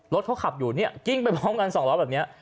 รถเขาขับอยู่เนี่ยกิ้งไปพร้อมกัน๒ล้อแบบนี้